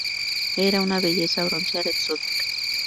era una belleza bronceada, exótica